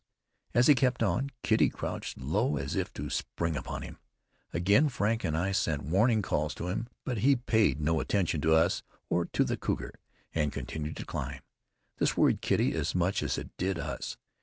As he kept on, Kitty crouched low as if to spring upon him. Again Frank and I sent warning calls to him, but he paid no attention to us or to the cougar, and continued to climb. This worried Kitty as much as it did us.